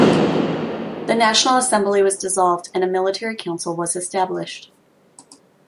The National Assembly was dissolved and a Military Council was established.